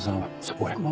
５００万？